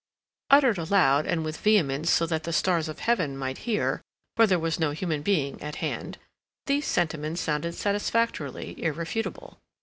Uttered aloud and with vehemence so that the stars of Heaven might hear, for there was no human being at hand, these sentiments sounded satisfactorily irrefutable.